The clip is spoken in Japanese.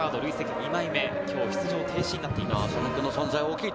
２枚目、今日出場停止になっています。